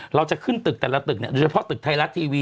เราจะขึ้นตึกแต่ละตึกโดยเฉพาะตึกไทยรัฐทีวี